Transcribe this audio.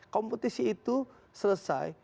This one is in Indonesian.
kompetisi itu selesai